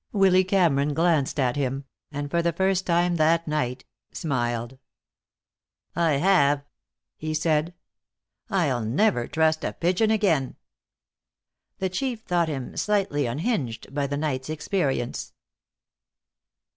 Willy Cameron glanced at him, and for the first time that night, smiled. "I have," he said; "I'll never trust a pigeon again." The Chief thought him slightly unhinged by the night's experience.